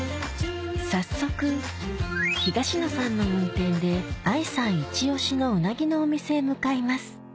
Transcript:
早速東野さんの運転でＡＩさんいち押しの鰻のお店へ向かいます